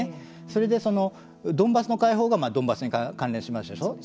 それでドンバスの解放がドンバスに関連しますでしょう。